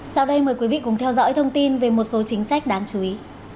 sau đây mời quý vị cùng theo dõi thông tin về một số chính sách đáng chú ý